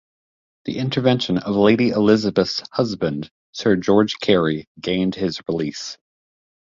The intervention of Lady Elizabeth's husband Sir George Carey gained his release.